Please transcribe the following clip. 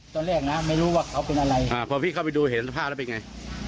ต้องไหนที่หูแล้วรู้ไม่ก็ที่มีทำอะไร